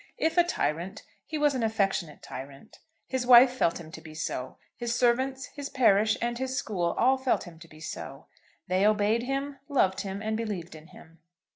If a tyrant, he was an affectionate tyrant. His wife felt him to be so. His servants, his parish, and his school all felt him to be so. They obeyed him, loved him, and believed in him.